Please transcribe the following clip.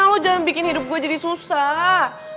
kalau jangan bikin hidup gue jadi susah